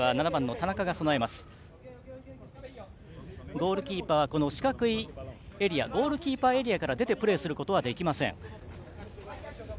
ゴールキーパーは四角いエリアゴールキーパーエリアから出てプレーはできません。